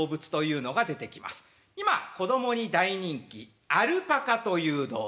今子供に大人気アルパカという動物。